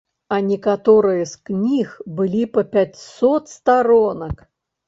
А некаторыя з кніг былі па пяцьсот старонак.